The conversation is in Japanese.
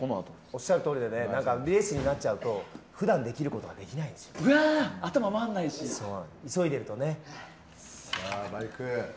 おっしゃるとおりでレースになっちゃうと普段できることができないんですよ。急いでいるとね。